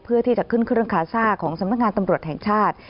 เพื่อที่จะขึ้นเครื่องคาซ่าของสำนักงานตำรวจแห่งชาติ